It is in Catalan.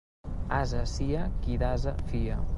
Ase sia qui d'ase fia.